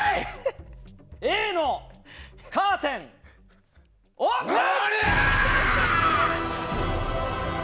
Ａのカーテン、オープン！